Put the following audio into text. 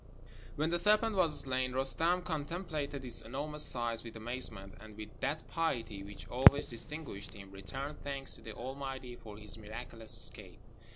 When the serpent was slain, Roostem contemplated its enormous size with amazement, and, with that piety which always distinguished him, returned thanks to the Almighty for his miraculous escape.